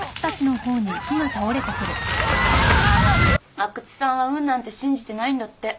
阿久津さんは運なんて信じてないんだって。